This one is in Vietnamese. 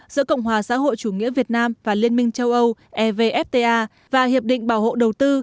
giữa cộng hòa xã hội chủ nghĩa việt nam và liên minh châu âu evfta và hiệp định bảo hộ đầu tư